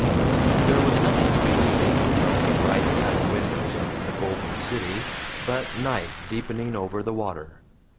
There was nothing to be seen from the bright cabin windows of the GOLDEN CITY but night deepening over the water.